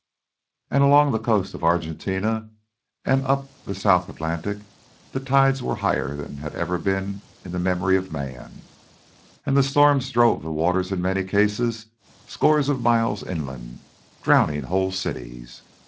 And along the coast of Argentina and up the South Atlantic the tides were higher than had ever been in the memory of man, and the storms drove the waters in many cases scores of miles inland, drowning whole cities.